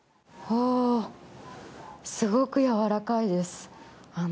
すごくやわらかいです。